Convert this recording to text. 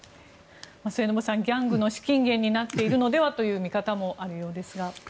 末延さんギャングの資金源になっているのではという見方もあるようですが。